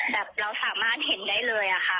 เราสามารถเห็นได้เลยอะค่ะ